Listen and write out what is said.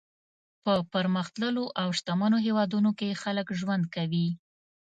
په پرمختللو او شتمنو هېوادونو کې خلک ژوند کوي.